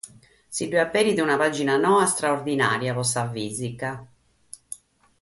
Si nch'aberit una pàgina noa istraordinària pro sa fìsica.